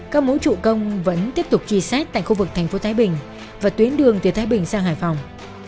các mối trụ công vẫn tiếp tục chi xét tại khu vực tp thái bình và tuyến đường từ thái bình sang hải phòng